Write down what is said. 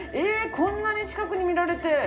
こんなに近くに見られて。